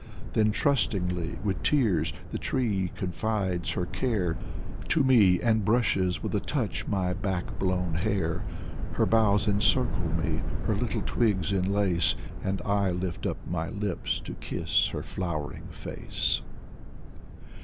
Then trustingly, with tears, the tree confides her care To me, and brushes with a touch my back blown hair. Her boughs encircle me, her little twigs enlace. And I lift up my lips to kiss her flowering face.